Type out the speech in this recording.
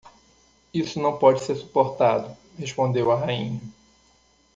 Isso não pode ser suportado! Respondeu a rainha.